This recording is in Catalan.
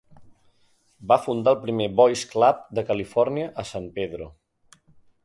Va fundar el primer Boys Club de Califòrnia a San Pedro.